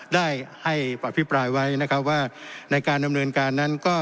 ได้ให้อภิปรายไว้นะครับว่าในการดำเนินการนั้นก็